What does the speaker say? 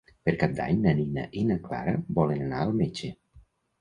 Per Cap d'Any na Nina i na Clara volen anar al metge.